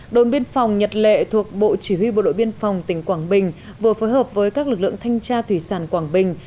đồn biên phòng nhật lệ thuộc bộ chỉ huy bộ đội biên phòng tỉnh quảng bình vừa phối hợp với các lực lượng thanh tra thủy sản quảng bình